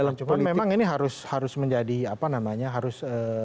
cuman memang ini harus menjadi apa namanya harus